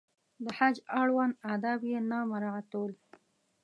د حج اړوند آداب یې نه مراعاتول.